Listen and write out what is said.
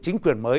chính quyền mới